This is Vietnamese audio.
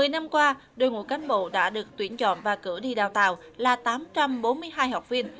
một mươi năm qua đội ngũ cán bộ đã được tuyển chọn và cử đi đào tạo là tám trăm bốn mươi hai học viên